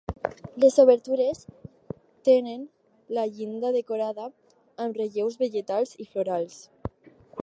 Les obertures tenen la llinda decorada amb relleus vegetals i florals.